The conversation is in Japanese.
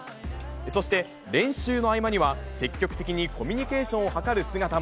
そして、練習の合間には、積極的にコミュニケーションを図る姿も。